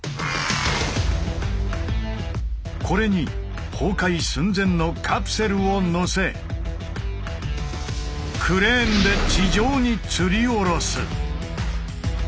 これに崩壊寸前のカプセルをのせクレーンで地上に吊り下ろす。